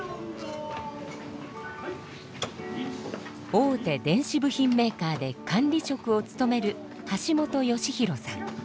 大手電子部品メーカーで管理職を務める橋本佳拡さん。